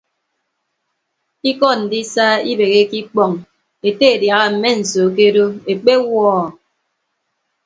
Ikọ ndisa ibeheke ikpọñ ete adiaha mme nsoo ke odo ekpewuọ.